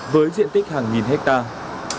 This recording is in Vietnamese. với diện tích hàng nghìn hectare